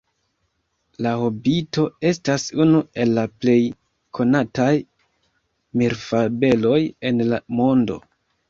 La Hobito estas unu el la plej konataj mirfabeloj en la mondo.